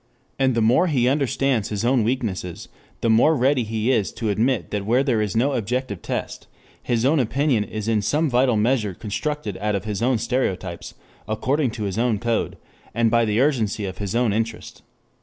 And the more he understands his own weaknesses, the more ready he is to admit that where there is no objective test, his own opinion is in some vital measure constructed out of his own stereotypes, according to his own code, and by the urgency of his own interest.